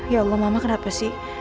ya allah mama kenapa sih